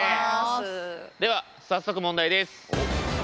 では早速問題です。